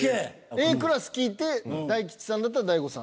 Ａクラス聞いて大吉さんだったら大悟さん。